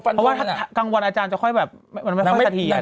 เพราะว่าถ้ากลางวันอาจารย์จะค่อยแบบไม่ค่อยขาดเหียน